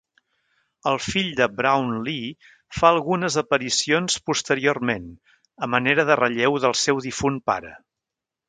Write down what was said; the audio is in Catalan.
El fill de Brownlee fa algunes aparicions posteriorment, a manera de relleu del seu difunt pare.